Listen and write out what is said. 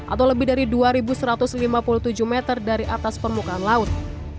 atau lebih dari dua satu ratus lima puluh tujuh meter dari atas permukaan laut